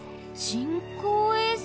人工衛星？